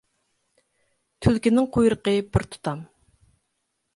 تۈلكىنىڭ قۇيرۇقى بىر تۇتام.